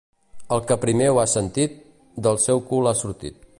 El que primer ho ha sentit, del seu cul ha sortit.